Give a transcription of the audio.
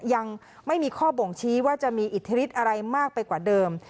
ยังไม่มีข้อบ่งชี้ว่าจะมีอิทธิฤทธิอะไรมากไปกว่าเดิม